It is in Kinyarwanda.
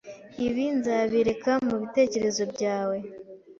Ibi nzabireka mubitekerezo byawe.